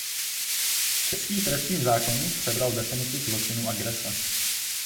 Český trestní zákoník přebral definici zločinu agrese.